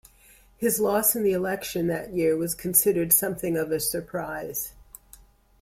His loss in the election that year was considered something of a surprise.